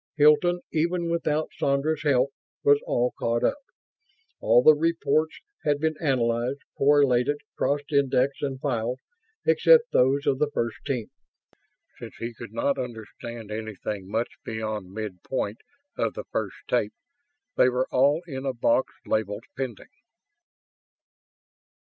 Hilton, even without Sandra's help, was all caught up. All the reports had been analyzed, correlated, cross indexed and filed except those of the First Team. Since he could not understand anything much beyond midpoint of the first tape, they were all reposing in a box labeled PENDING.